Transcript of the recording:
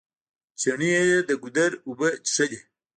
چڼې د ګودر اوبه څښلې.